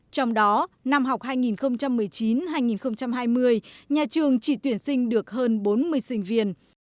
trong đó năm học hai nghìn một mươi chín hai nghìn hai mươi nhà trường chỉ tuyển sinh được hơn bốn mươi sinh viên